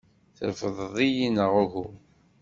Trefdeḍ-iyi neɣ uhu?